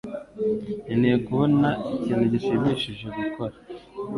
Nkeneye kubona ikintu gishimishije gukora.